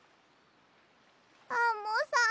アンモさん。